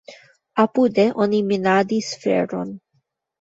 Apude oni minadis feron.